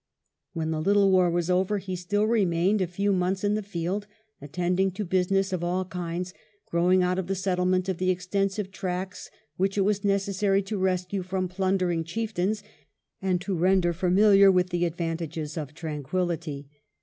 When the little war was over, he stiU remained a few months in the field, attending to business of all kinds growing out of the settlement of the extensive tracts which it was necessary to rescue from plundering chieftains, and to render familiar with the advantages of tranquillity.